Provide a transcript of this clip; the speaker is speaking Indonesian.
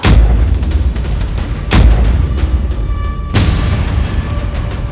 kampar menangis dan meratap